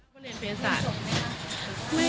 คุณต้องสอบตายรึเปล่า